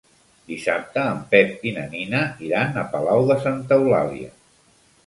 Dissabte en Pep i na Nina iran a Palau de Santa Eulàlia.